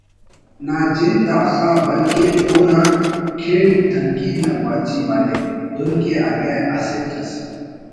نا جند آخا بلکن اونا کڑد تنقید نا گواچی مریک دن کہ اگہ اسٹ اس